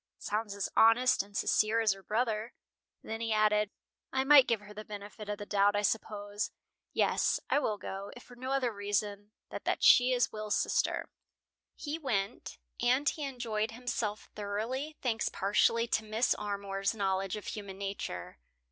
"Sounds as honest and sincere as her brother." Then he added: "I might give her the benefit of the doubt, I suppose. Yes, I will go, if for no other reason than that she is Will's sister." He went. And he enjoyed himself thoroughly thanks partially to Mrs. Armour's knowledge of human nature.